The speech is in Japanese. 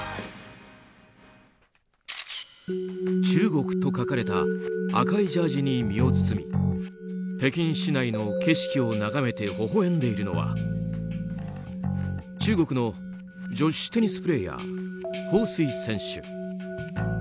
中国と書かれた赤いジャージーに身を包み北京市内の景色を眺めてほほ笑んでいるのは中国の女子テニスプレーヤーホウ・スイ選手。